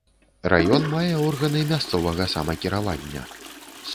Раён мае органы мясцовага самакіравання.